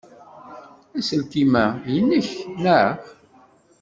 Aselkim-a nnek, naɣ?